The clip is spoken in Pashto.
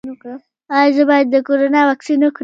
ایا زه باید د کرونا واکسین وکړم؟